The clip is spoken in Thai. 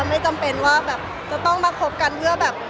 ไม่จำเป็นว่าแบบจะต้องมาคบกันเพื่อแบบ